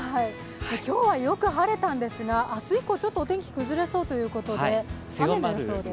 今日はよく晴れたんですが、明日以降お天気崩れそうということで、雨の予想です。